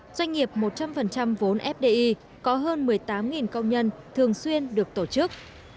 doanh nghiệp một trăm linh vốn fdi có hơn một mươi tám công nhân thường xuyên được tổ chức